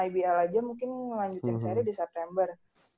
ibl aja mungkin melanjutkan seri di september